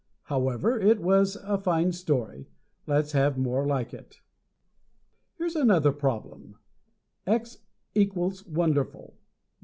However, it was a fine story. Let's have more like it. Here is another problem. X equals wonderful.